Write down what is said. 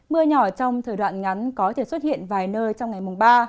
mưa nhỏ trong thời đoạn ngắn có thể xuất hiện vài nơi trong ngày mùng ba